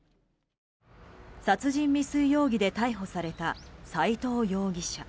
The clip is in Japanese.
殺人未遂容疑で逮捕された斎藤容疑者。